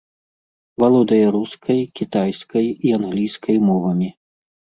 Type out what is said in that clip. Валодае рускай, кітайскай і англійскай мовамі.